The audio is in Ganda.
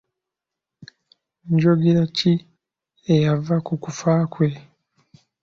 Njogera ki eyava ku kufa kwe?